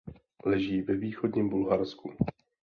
Leží ve východním Bulharsku.